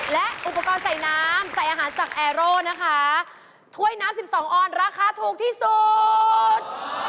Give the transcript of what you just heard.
และอุปกรณ์ใส่น้ำใส่อาหารจากแอร์โร่นะคะถ้วยน้ำสิบสองออนราคาถูกที่สุด